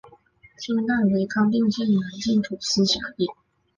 清代为康定县南境土司辖地。